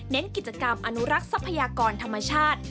กิจกรรมอนุรักษ์ทรัพยากรธรรมชาติ